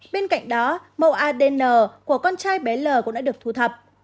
bên cạnh đó mẫu adn của con trai bé l cũng đã được thu thập